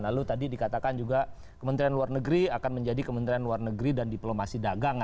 lalu tadi dikatakan juga kementerian luar negeri akan menjadi kementerian luar negeri dan diplomasi dagang